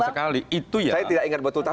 saya tidak ingat betul